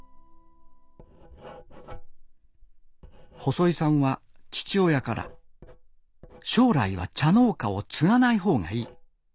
細井さんは父親から「将来は茶農家を継がない方がいい。